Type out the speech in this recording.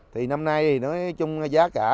thì năm nay nói chung giá cả